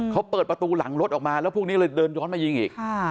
เขาเปิดประตูหลังรถออกมาแล้วพวกนี้เลยเดินย้อนมายิงอีก